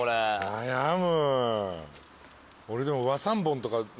悩む。